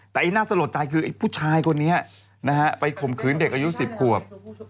แต่ไอ้น่าสะหรับใจคือผู้ชายคนนี้นะฮะไปข่มขืนเด็กอายุ๑๐ขวบ